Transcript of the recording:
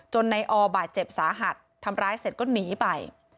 ในอบาดเจ็บสาหัสทำร้ายเสร็จก็หนีไป